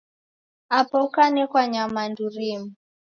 Apa ukanekwa nyamandu rimu